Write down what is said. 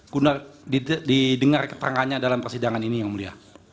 guna didengar keterangannya dalam persidangan ini yang mulia